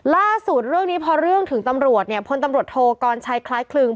ล่าสุดเรื่องนี้พอเรื่องถึงตำรวจเนี่ยพลตำรวจโทกรชัยคล้ายคลึง